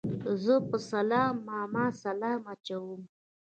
زه په سلام ماما سلام اچوم